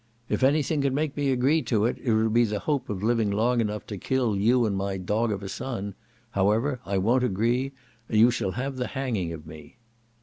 "If any thing could make me agree to it, it would be the hope of living long enough to kill you and my dog of a son: however, I won't agree; you shall have the hanging of me."